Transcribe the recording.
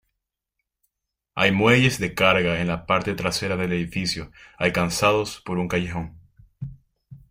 Hay muelles de carga en la parte trasera del edificio, alcanzados por un callejón.